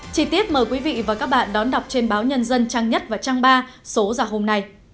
chí tiết mời quý vị và các bạn đón đọc trên báo nhân dân trang nhất và trang ba số giả hôm nay